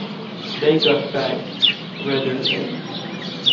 They got back rather late.